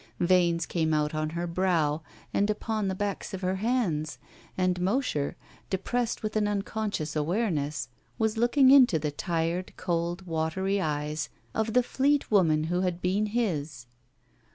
Veins came out on her brow and upon the backs of her hands, and Mosher, depressed with an unconscious awareness, was looking into the tired, cold, watery eyes of the fleet woman who had been his.